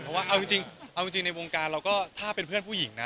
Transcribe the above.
เพราะว่าเอาจริงเอาจริงในวงการเราก็ถ้าเป็นเพื่อนผู้หญิงนะ